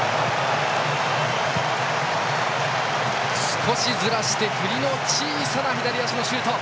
少しずらして振りの小さな左足のシュート。